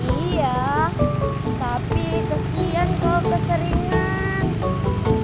iya tapi kesian kok keseringan